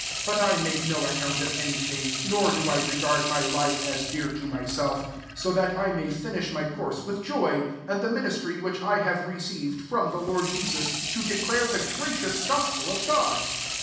24 But I make no account of any thing, nor do I regard [my] life, as dear to myself, so that I may finish my course {with yoy], and the ministry which I have received from the Lord Jesus, to declare the gracious gospel of God.